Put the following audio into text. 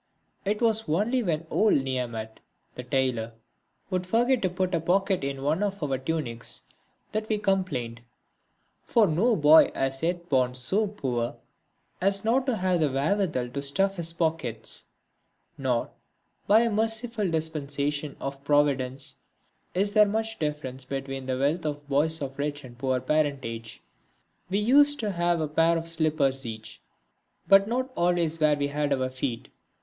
It was only when old Niyamat, the tailor, would forget to put a pocket into one of our tunics that we complained, for no boy has yet been born so poor as not to have the wherewithal to stuff his pockets; nor, by a merciful dispensation of providence, is there much difference between the wealth of boys of rich and of poor parentage. We used to have a pair of slippers each, but not always where we had our feet.